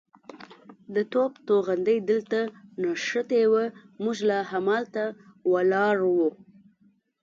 د توپ توغندی دلته نښتې وه، موږ لا همالته ولاړ وو.